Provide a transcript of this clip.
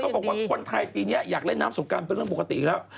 บอกว่าคนไทยปีนี้อยากเล่นน้ำสงการเป็นเรื่องปกติแล้ว